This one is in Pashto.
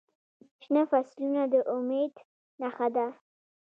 شنه فصلونه د امید نښه ده.